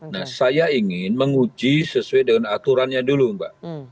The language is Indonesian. nah saya ingin menguji sesuai dengan aturannya dulu mbak